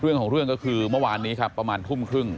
เรื่องของเรื่องก็คือเมื่อวานนี้ครับประมาณทุ่มครึ่ง